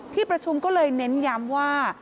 ที่ประชุมก็เลยเน้นย้ำว่า